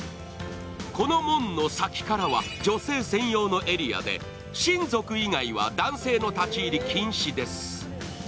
この門の先からは女性専用のエリアで親族以外は男性の立ち入り禁止です。